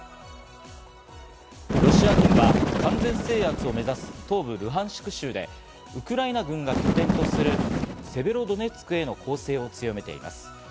ロシア軍は完全制圧を目指す東部ルハンシク州で、ウクライナ軍が拠点とするセベロドネツクへの攻勢を強めています。